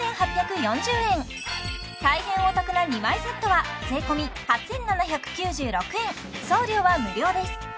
４８４０円大変お得な２枚セットは税込８７９６円送料は無料です